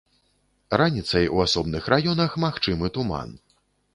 Раніцай у асобных раёнах магчымы туман.